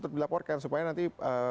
dilaporkan supaya nanti